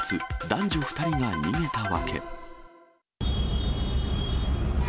男女２人が逃げた訳。